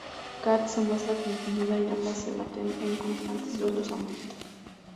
Kat se muestra confundida y ambas se baten en constantes duelos a muerte.